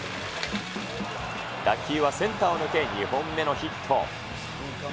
打球はセンターを抜け、２本目のヒット。